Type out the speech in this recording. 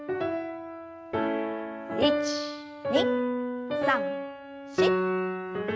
１２３４。